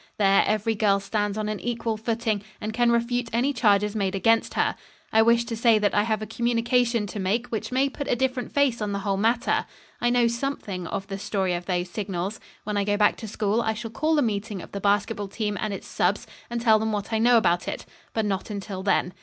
There every girl stands on an equal footing and can refute any charges made against her. I wish to say that I have a communication to make which may put a different face on the whole matter. I know something of the story of those signals. When I go back to school I shall call a meeting of the basketball team and its subs. and tell them what I know about it; but not until then.